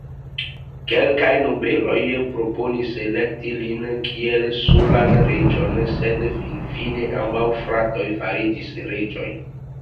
Kelkaj nobeloj proponis elekti lin kiel solan reĝon, sed finfine ambaŭ fratoj fariĝis reĝoj.